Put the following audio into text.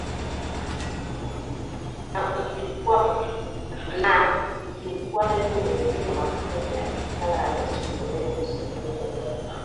na ukiukwaji mwingine wa haki akimtaka Rais Yoweri Museveni